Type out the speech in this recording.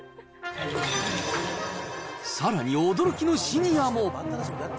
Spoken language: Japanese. さらに驚きのシニアも。